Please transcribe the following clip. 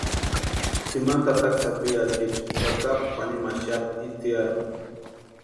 Tsimani tataka sapirhatiecha tsakapu kwʼanimaxapti itsarhu.